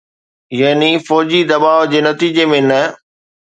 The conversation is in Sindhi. يعني فوجي دٻاءُ جي نتيجي ۾ نه.